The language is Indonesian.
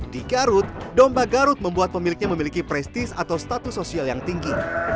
di garut domba garut membuat pemiliknya memiliki prestis atau status sosial yang tinggi